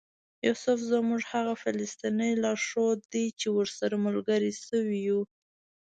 یوسف زموږ هغه فلسطینی لارښود دی چې ورسره ملګري شوي یو.